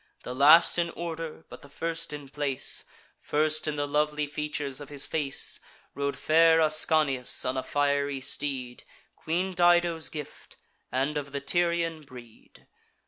The last in order, but the first in place, First in the lovely features of his face, Rode fair Ascanius on a fiery steed, Queen Dido's gift, and of the Tyrian breed.